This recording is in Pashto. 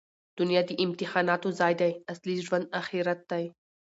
دونیا د امتحاناتو ځای دئ. اصلي ژوند آخرت دئ.